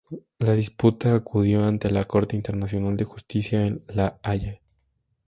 La disputa acudió ante la Corte Internacional de Justicia en La Haya.